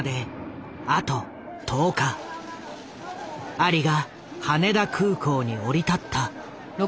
アリが羽田空港に降り立った。